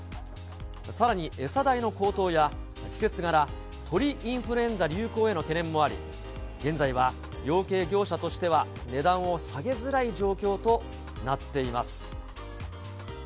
さらに、餌代の高騰や、季節がら、鳥インフルエンザ流行への懸念もあり、現在は養鶏業者としては値段を下げづらい状況となっています。